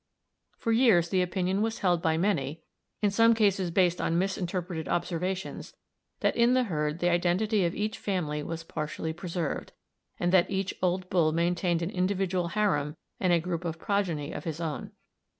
For years the opinion was held by many, in some cases based on misinterpreted observations, that in the herd the identity of each family was partially preserved, and that each old bull maintained an individual harem and group of progeny of his own.